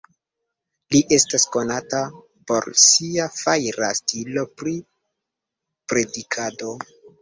Li estas konata por sia fajra stilo pri predikado.